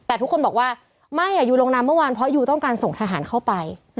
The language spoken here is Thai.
แต่ทุกคนบอกว่าไม่ยูลงนามเมื่อวานเพราะยูต้องการส่งทหารเข้าไป